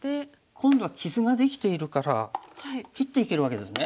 今度は傷ができているから切っていけるわけですね。